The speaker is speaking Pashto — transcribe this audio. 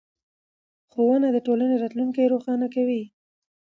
ښوونه د ټولنې راتلونکی روښانه کوي